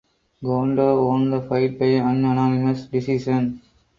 Kondo won the fight by unanimous decision.